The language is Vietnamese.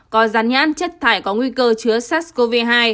có rán nhãn chất thải có nguy cơ chứa sars cov hai